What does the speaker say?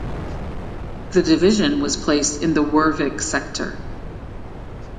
The division was placed in the Wervik Sector.